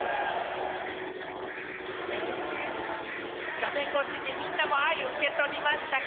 画面越しにみんなも愛を受け取りましたか？